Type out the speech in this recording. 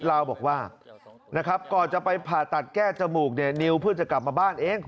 ลาวบอกว่าก่อนจะไปผ่าตัดแก้จมูกนิ้วเพื่อจะกลับมาบ้านเอง